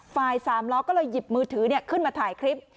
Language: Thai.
ไฟล์สามล้อก็เลยหยิบมือถือเนี่ยขึ้นมาถ่ายคลิป